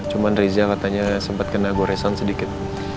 cuman riza katanya sempat kena goresan sedikit